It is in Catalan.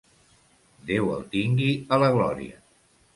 Déu el tingui a la glòria.